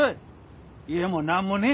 家もなんもねえ。